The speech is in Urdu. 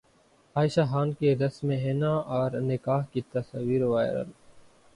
عائشہ خان کی رسم حنا اور نکاح کی تصاویر وائرل